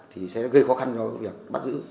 thì sẽ gây khó khăn cho việc bắt giữ